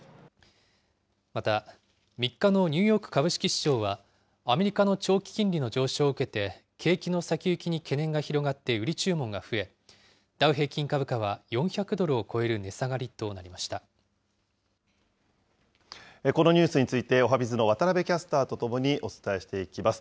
また、３日のニューヨーク株式市場は、アメリカの長期金利の上昇を受けて景気の先行きに懸念が広がって売り注文が増え、ダウ平均株価は４００ドルを超える値下がりとなこのニュースについて、おはＢｉｚの渡部キャスターと共にお伝えしていきます。